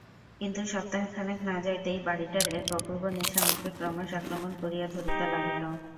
কিন্তু সপ্তাহখানেক না যাইতেই বাড়িটার এক অপূর্ব নেশা আমাকে ক্রমশ আক্রমণ করিয়া ধরিতে লাগিল।